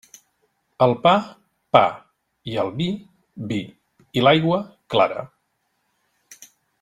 Al pa, pa; i al vi, vi; i l'aigua, clara.